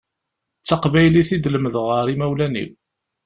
D taqbaylit i d-lemdeɣ ar imawlan-iw.